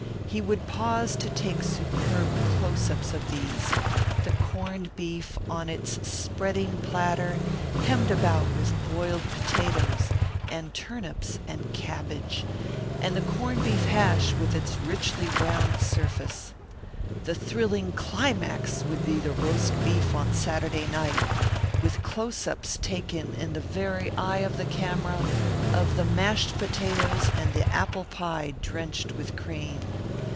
He would pause to take superb closeups of these, the corned beef on its spreading platter hemmed about with boiled potatoes and turnips and cabbage, and the corned beef hash with its richly browned surface. The thrilling climax would be the roast of beef on Saturday night, with close ups taken in the very eye of the camera, of the mashed potatoes and the apple pie drenched with cream.